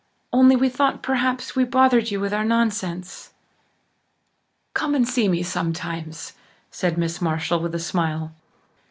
Only we thought perhaps we bothered you with our nonsense." "Come and see me sometimes," said Miss Marshall with a smile.